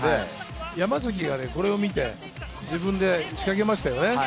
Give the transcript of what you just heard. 山崎がこれを見て自分で仕掛けました。